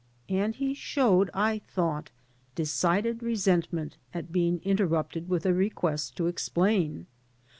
And he showed, I thought, decided resentment at being inter rupted with a request to explain.